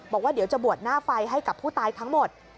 บอกว่าเดี๋ยวจะบวชหน้าไฟให้กับผู้ตายทั้งหมด